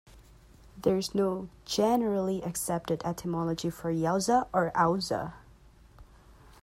There is no generally accepted etymology for "Yauza" or "Auza".